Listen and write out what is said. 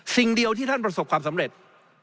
สิ่งเดียวที่ท่านประสบความสำเร็จ